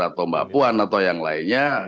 atau mbak puan atau yang lainnya